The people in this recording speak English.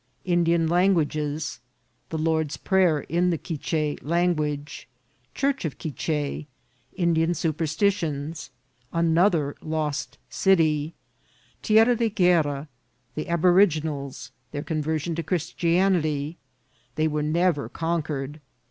— Indian Languages. — The Lord's Prayer in the Quiche Language.— Numerals in the same — Church of Quiche*. — Indian Superstitions. — Another lost City. — Tierra de Guerra. — The Abori ginals.—Their Conversion to Christianity. — They were never conquered.